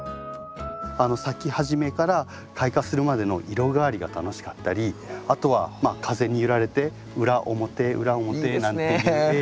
咲き始めから開花するまでの色変わりが楽しかったりあとは風に揺られて裏表裏表なんていう動きが。